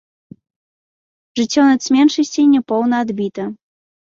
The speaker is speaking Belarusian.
Жыццё нацменшасцей няпоўна адбіта.